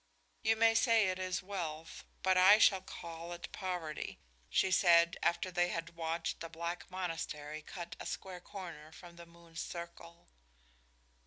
You may say it is wealth, but I shall call it poverty," she said, after they had watched the black monastery cut a square corner from the moon's circle.